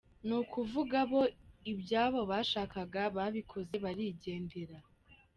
nukuvuga bo ibyabo bashakaga babikoze barigendera.